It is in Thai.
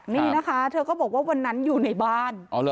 นี่นะคะเธอก็บอกว่าวันนั้นอยู่ในบ้าน